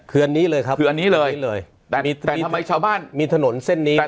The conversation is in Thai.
คืออันนี้เลยครับมีถนนเส้นนี้เลย